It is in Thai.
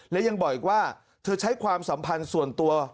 และยังบอกอีกว่าเธอใช้ความสัมพันธ์ส่วนตัว